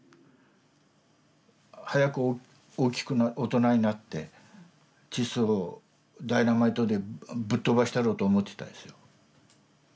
早く大きく大人になってチッソをダイナマイトでぶっ飛ばしたろうと思ってたですよ。